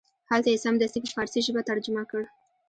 هلته یې سمدستي په فارسي ژبه ترجمه کړ.